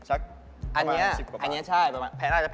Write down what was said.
อันนี้ใช่น่าจะแพงกว่า๓๐บาท